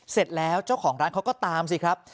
เสร็จแล้วเจ้าของร้านเขาก็ตามสิครับ